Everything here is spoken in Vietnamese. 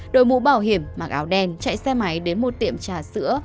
đội mũ bảo hiểm mặc áo đen chạy xe máy đến một tiệm trà sữa